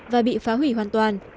và bị phá hủy hoàn toàn